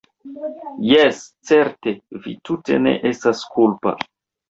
jes, certe, vi tute ne estas kulpa.